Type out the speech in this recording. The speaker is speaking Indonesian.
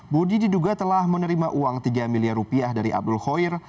budi diduga telah menerima uang tiga miliar rupiah dari abdul khoir